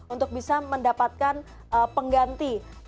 untuk bisa mendapatkan pengganti